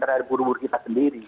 terhadap buruh buruh kita sendiri